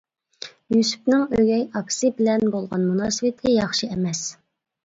يۈسۈپنىڭ ئۆگەي ئاپىسى بىلەن بولغان مۇناسىۋىتى ياخشى ئەمەس.